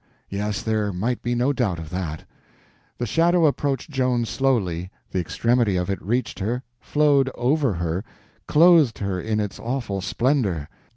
Yes, there might be no doubt of that. The shadow approached Joan slowly; the extremity of it reached her, flowed over her, clothed her in its awful splendor.